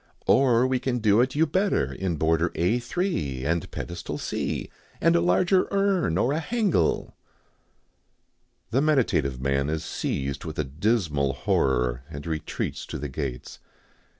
Or we can do it you better in border A 3, and pedestal C, and a larger urn or a hangel " The meditative man is seized with a dismal horror, and retreats to the gates.